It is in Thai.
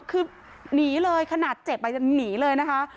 คือหนีเลยขนาดเจ็บอาจจะหนีเลยนะคะ